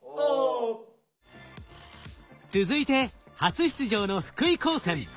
続いて初出場の福井高専。